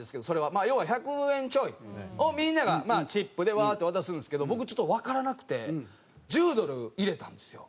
まあ要は１００円ちょいをみんながチップでワーッて渡すんですけど僕ちょっとわからなくて１０ドル入れたんですよ。